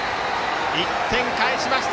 １点返しました